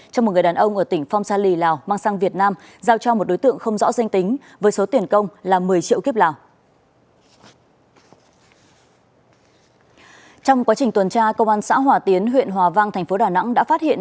trong quá trình tuần tra công an xã hòa tiến huyện hòa vang tp đà nẵng đã phát hiện